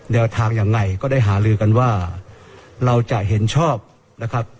แนวทางยังไงก็ได้หาลือกันว่าเราจะเห็นชอบนะครับ